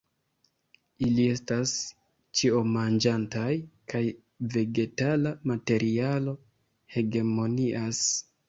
Ili estas ĉiomanĝantaj, kaj vegetala materialo hegemonias.